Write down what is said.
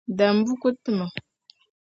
Dam buku n-ti ma.